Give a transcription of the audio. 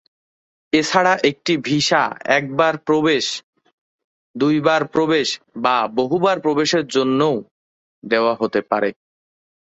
এছাড়া একটি ভিসা একবার প্রবেশ, দুই বার প্রবেশ বা বহুবার প্রবেশের জন্যও দেয়া হতে পারে।